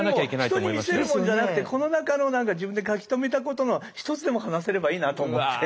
人に見せるもんじゃなくてこの中の何か自分で書き留めたことの一つでも話せればいいなと思って。